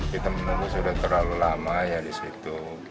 kita menunggu sudah terlalu lama ya di situ